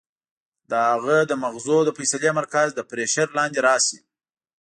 د هغه د مزغو د فېصلې مرکز د پرېشر لاندې راشي